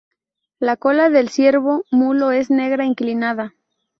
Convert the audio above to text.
La cola del ciervo mulo es negra inclinada.